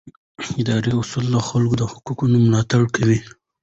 اداري اصول د خلکو د حقونو ملاتړ کوي.